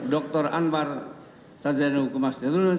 dr anwar sarjana hukum magister hukum